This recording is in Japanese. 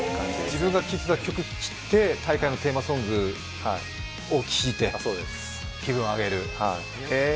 自分が聴いてた曲を聴いて大会のテーマソングを聴いて気分を上げる。